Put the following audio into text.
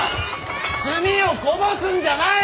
墨をこぼすんじゃない！